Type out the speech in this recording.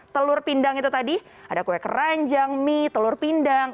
telur pindang itu tadi ada kue keranjang mie telur pindang